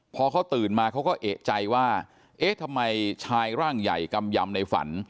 พอเขาตื่นมาเขาก็เอกใจว่าเอ๊ะทำไมชายร่างใหญ่กำยำในฝัน